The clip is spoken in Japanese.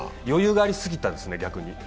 余裕がありすぎたんですね、逆に。